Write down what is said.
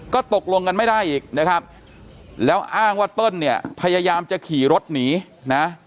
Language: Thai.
ก็ตกลงกันไม่ได้อีกนะครับแล้วอ้างว่าเติ้ลเนี่ยพยายามจะขี่รถหนีนะ